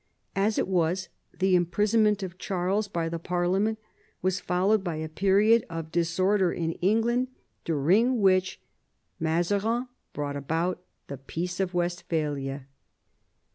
As it was, the imprisonment of Charles by the parliament was followed by a period of disorder in England during which Mazarin brought about the Peace of Westphalia.